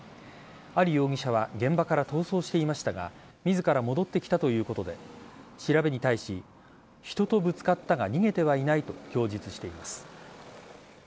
アリ容疑者は現場から逃走していましたが自ら戻ってきたということで調べに対し人とぶつかったが逃げてはいないと供述しています。